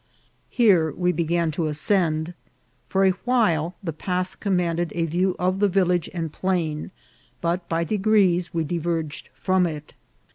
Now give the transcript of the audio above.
Here we began to as cend. For a while the path commanded a view of the village and plain ; but by degrees we diverged from it, 164 INCIDENTS OF TRAVEL.